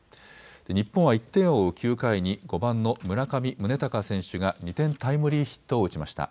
日本は１点を追う９回に５番の村上宗隆選手が２点タイムリーヒットを打ちました。